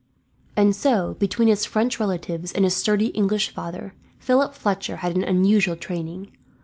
And so, between his French relatives and his sturdy English father, Philip Fletcher had an unusual training.